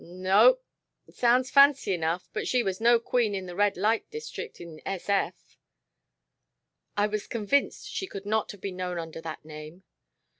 "Nope. Sounds fancy enough, but she was no Queen of the Red Light District in S.F." "I was convinced she could not have been known under that name.